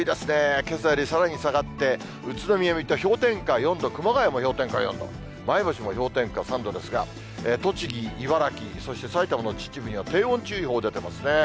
けさよりさらに下がって、宇都宮、水戸、氷点下４度、熊谷も氷点下４度、前橋も氷点下３度ですが、栃木、茨城、そして埼玉の秩父には、低温注意報出てますね。